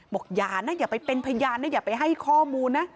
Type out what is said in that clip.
อย่านะอย่าไปเป็นพยานนะอย่าไปให้ข้อมูลนะ